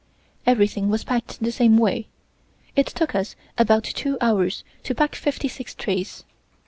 Everything was packed the same way. It took us about two hours to pack fifty six trays.